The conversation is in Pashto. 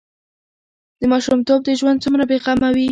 د ماشومتوب ژوند څومره بې غمه وي.